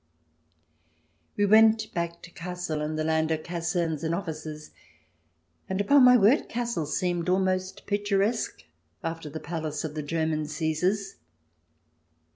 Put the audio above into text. We went back to Kassel and the land of Casernes and officers, and upon my word Kassel seemed almost picturesque after the palace of the German Caesars.